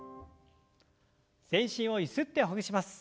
全身をゆすってほぐします。